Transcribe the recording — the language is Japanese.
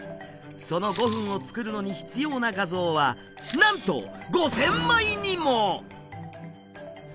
その５分を作るのに必要な画像はなんと５，０００枚にも！